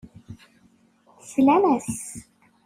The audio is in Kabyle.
Slan-as.